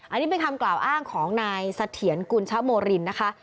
อันนี้เป็นคำกล่าวอ้างของนายเสถียรกุญชโมรินนะคะ